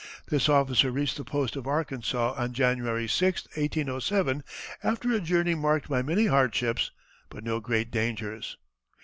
This officer reached the post of Arkansas on January 6, 1807, after a journey marked by many hardships, but no great dangers.